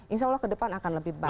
insya allah ke depan akan lebih baik